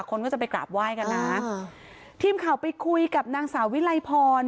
คนก็จะไปกราบไหว้กันนะทีมข่าวไปคุยกับนางสาววิลัยพร